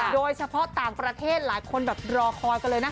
โดยเฉพาะต่างประเทศหลายคนแบบรอคอยกันเลยนะคะ